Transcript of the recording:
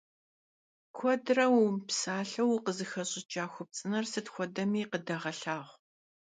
Kuedre vumıpsalheu vukhızexeş'ıç'a xupts'ıner sıt xuedemi khıdeğelhağu.